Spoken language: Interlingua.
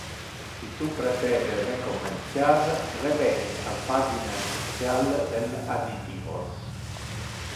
Si tu prefere recomenciar, reveni al pagina initial de additivos.